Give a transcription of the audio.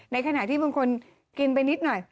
ในขณะที่บางคนกินไปนิดหน่อย